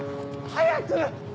早く！